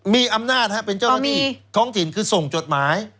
มีอำนาจเป็นเจ้าหน้าที่ท้องถิ่นคือส่งจดหมาย